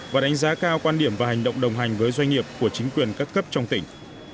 và đánh giá cao quan điểm và hành động đồng hành với doanh nghiệp của chính quyền các cấp trong tỉnh